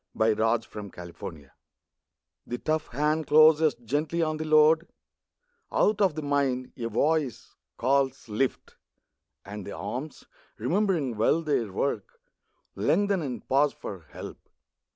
62 MAN CARRYING BALE r I ^HE tough hand closes gently on the load ; X Out of the mind, a voice Calls " Lift !" and the arms, remembering well their work, Lengthen and pause for help.